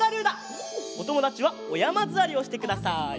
おともだちはおやまずわりをしてください。